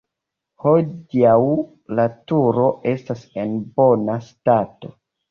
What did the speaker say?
Hodiaŭ la turo estas en bona stato.